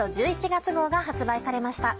１１月号が発売されました。